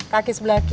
kaki sebelah kiri